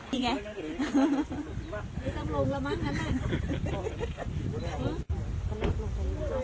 สุดท้ายเมื่อเวลาสุดท้ายเมื่อเวลาสุดท้าย